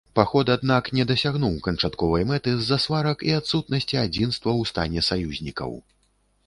Паход аднак не дасягнуў канчатковай мэты з-за сварак і адсутнасці адзінства ў стане саюзнікаў.